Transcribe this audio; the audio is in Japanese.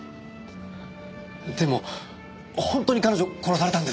でも本当に彼女殺されたんですか？